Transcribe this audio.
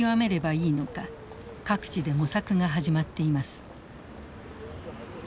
各地で模索が始まっています。